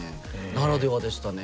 ならではでしたね。